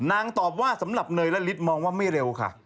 ตอบว่าสำหรับเนยและฤทธิมองว่าไม่เร็วค่ะ